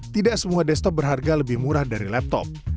tidak semua desktop berharga lebih murah dari laptop